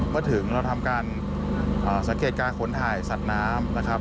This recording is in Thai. เมื่อถึงเราทำการสังเกตการขนถ่ายสัตว์น้ำนะครับ